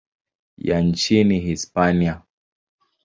ya nchini Hispania.